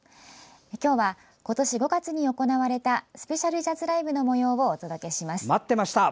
今日は、今年５月に行われたスペシャルジャズライブのもようをお届けします。